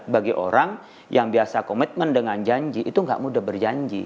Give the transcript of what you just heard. bagi orang yang biasa komitmen dengan janji itu gak mudah berjanji